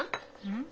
うん？